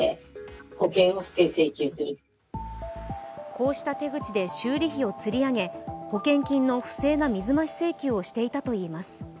こうした手口で修理費を釣り上げ、保険金の不正な水増し請求をしていたといいます。